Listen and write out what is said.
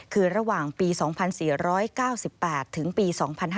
คือระหว่างปี๒๔๙๘ถึงปี๒๕๕๙